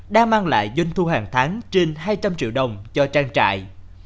đã mang lại doanh thu hàng tháng trên hai trăm linh triệu đồng cho trang trại